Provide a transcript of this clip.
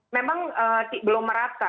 memang belum merata